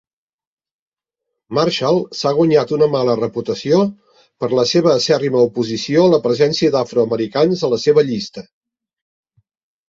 Marshall s'ha guanyat una mala reputació per la seva acèrrima oposició a la presència d'afroamericans a la seva llista.